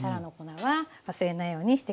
はい。